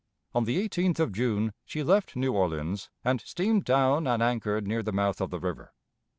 On the 18th of June she left New Orleans and steamed down and anchored near the mouth of the river.